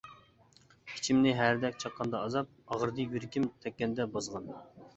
ئىچىمنى ھەرىدەك چاققاندا ئازاب، ئاغرىدى يۈرىكىم تەگكەندەك بازغان.